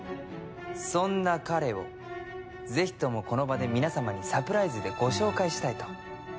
そんな彼をぜひともこの場で皆様にサプライズでご紹介したいと。